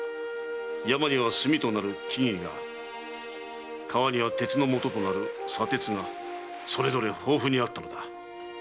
山には「炭」となる木々が川には「鉄」のもととなる砂鉄がそれぞれ豊富にあったのだ。